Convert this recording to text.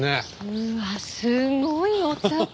うわっすごいお宅！